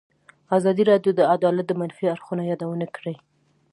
ازادي راډیو د عدالت د منفي اړخونو یادونه کړې.